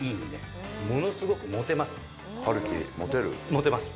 モテます。